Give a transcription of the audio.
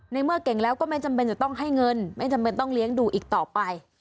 เมื่อเก่งแล้วก็ไม่จำเป็นจะต้องให้เงินไม่จำเป็นต้องเลี้ยงดูอีกต่อไป